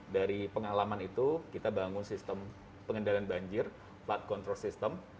dari pengalaman itu kita bangun sistem pengendalian banjir flood control system